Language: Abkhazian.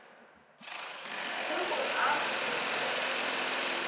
Ӡыкәыр амц имҳәеит.